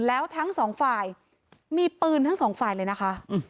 แล้วทั้งสองฝ่ายมีปืนทั้งสองฝ่ายเลยนะคะ